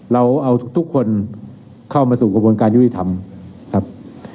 เราเอาทุกคนเข้ามาสู่กระบวนการยุติธรรมครับ